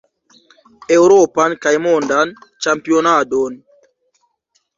Eŭropan kaj Mondan Ĉampionadon.